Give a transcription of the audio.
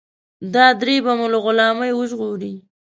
دا درې به مو له غلامۍ وژغوري.